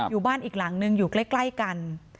อยู่บ้านอีกหลังนึงอยู่ใกล้กัน